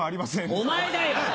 お前だよ！